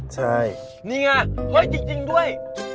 ๕๑ใช่อันนี้ไงอ้อยจริงด้วย